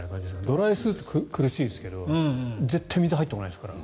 ドライスーツは苦しいですけど絶対に水入ってこないですから。